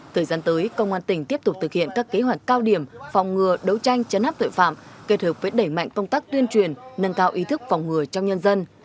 thời gian tới công an tỉnh tiếp tục thực hiện các kế hoạch cao điểm phòng ngừa đấu tranh chấn áp tội phạm kết hợp với đẩy mạnh công tác tuyên truyền nâng cao ý thức phòng ngừa trong nhân dân